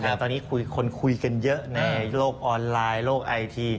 ตอนนี้คนคุยกันเยอะในโลกออนไลน์โลกไอที